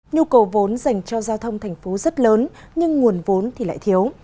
nhu cầu vốn dành cho giao thông thành phố rất lớn nhưng nguồn vốn thì lại thiếu